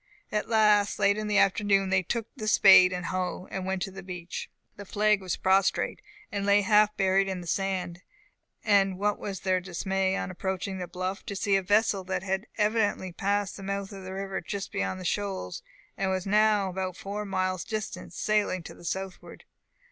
At last, late in the afternoon, they took the spade and hoe, and went to the beach. The flag was prostrate, and lay half buried in the sand; and what was their dismay, on approaching the bluff, to see a vessel that had evidently passed the mouth of the river just beyond the shoals, and was now about four miles distant, sailing to the southward.